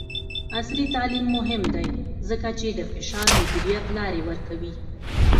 عصري تعلیم مهم دی ځکه چې د فشار مدیریت لارې ورکوي.